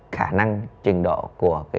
khả năng trình độ của